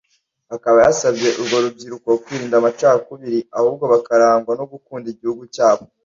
Akaba yasabye urwo rubyiruko kwirinda amacakubiri ahubwo bakarangwa no gukunda igihugu cyabo